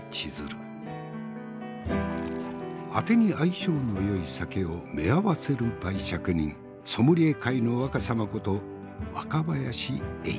あてに相性のよい酒をめあわせる媒酌人ソムリエ界の若さまこと若林英司。